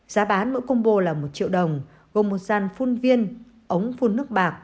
giá bán mỗi combo là một triệu đồng gồm một ràn phun viên ống phun nước bạc